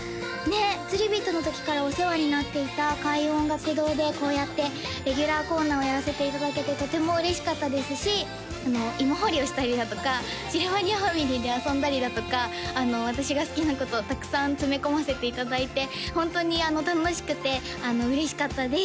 つりビットの時からお世話になっていた開運音楽堂でこうやってレギュラーコーナーをやらせていただけてとても嬉しかったですし芋掘りをしたりだとかシルバニアファミリーで遊んだりだとか私が好きなことをたくさん詰め込ませていただいてホントに楽しくて嬉しかったです